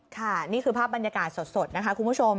ค่ะนี่คือภาพบรรยากาศสดนะคะคุณผู้ชม